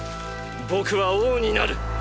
僕は王になる。